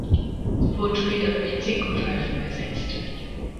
Sie wurden später durch Zinkpfeifen ersetzt.